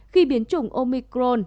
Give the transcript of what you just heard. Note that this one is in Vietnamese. khi biến chủng omicron